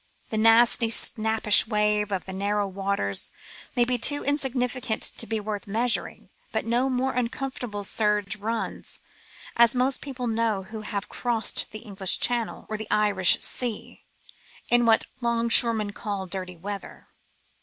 The nasty snappish wave of the narrow waters may be too insignificant to be worth measuring, but no more uncomfortable surge runs, as most people know who have crossed the English Channel or the Irish Sea, in what 'longshoremen call dirty weather.